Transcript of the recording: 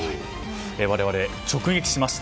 我々、直撃しました。